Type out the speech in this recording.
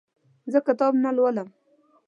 زه کتاب نه لولم.